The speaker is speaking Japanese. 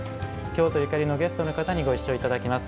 京都ゆかりのゲストの方にご一緒いただきます。